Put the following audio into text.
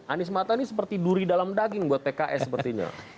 anies mata ini seperti duri dalam daging buat pks sepertinya